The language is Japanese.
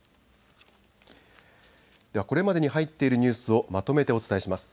これまでに入っているニュースをまとめてお伝えします。